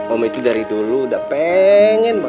om itu dari dulu udah pengen